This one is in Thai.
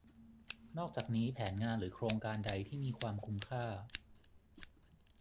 นอกจากนี้แผนงานหรือโครงการใดที่มีความคุ้มค่า